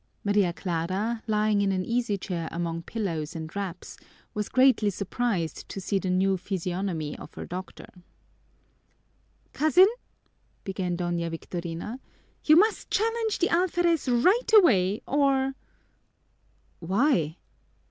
Maria Clara, lying in an easy chair among pillows and wraps, was greatly surprised to see the new physiognomy of her doctor. "Cousin," began Doña Victorina, "you must challenge the alferez right away, or " "Why?"